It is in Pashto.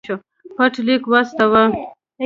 پټ لیک واستاوه.